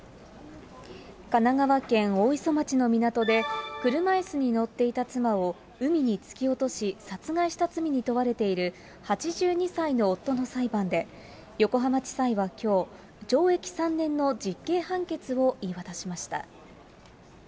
神奈川県大磯町の港で、車いすに乗っていた妻を海の突き落とし、殺害した罪に問われている８２歳の夫の裁判で、横浜地裁はきょう、懲役３年の実刑判決を言い渡しました。